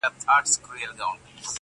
o و گټه، پيل وڅټه!